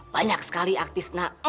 banyak sekali artis nak